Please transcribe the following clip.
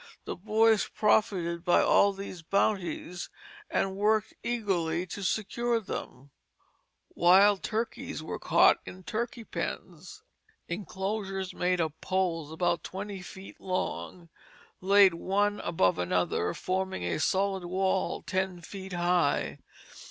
The boys profited by all these bounties, and worked eagerly to secure them. [Illustration: Colonel Wadsworth and his Son] Wild turkeys were caught in turkey pens, enclosures made of poles about twenty feet long, laid one above another, forming a solid wall ten feet high.